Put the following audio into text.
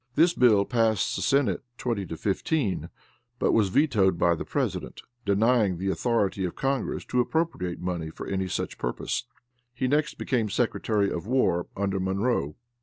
This bill passed the Senate twenty to fifteen, but was vetoed by the president, denying the authority of congress to appropriate money for any such purpose. He next became Secretary of War, under Monroe.